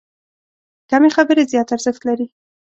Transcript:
کمې خبرې، زیات ارزښت لري.